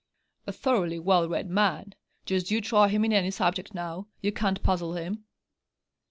'A thoroughly well read man. Just you try him in any subject, now. You can't puzzle him.'